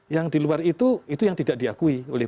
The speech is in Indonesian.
yang di luar itu itu yang tidak diakui oleh